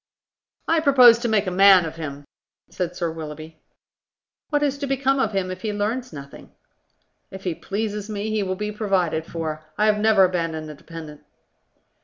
"I propose to make a man of him," said Sir Willoughby. "What is to become of him if he learns nothing?" "If he pleases me, he will be provided for. I have never abandoned a dependent."